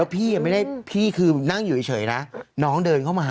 แล้วพี่ยังไม่ได้พี่คือนั่งอยู่เฉยนะน้องเดินเข้ามาหา